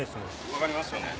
分かりますよね？